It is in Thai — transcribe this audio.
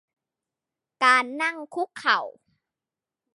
การนั่งคุกเข่า